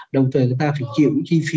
đồng thời người ta phải kiếm chi phí